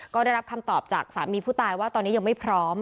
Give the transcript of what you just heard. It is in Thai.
ก็ได้รับคำตอบจากสามีผู้ตายว่าตอนนี้ยังไม่พร้อม